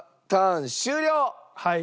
はい。